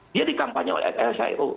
dia dikampanye oleh aflcio